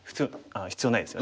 必要ないですよね。